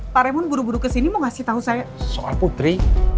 pak remon buru buru kesini mau ngasih tahu saya soal putri